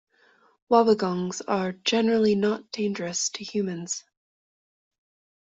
Wobbegongs are generally not dangerous to humans.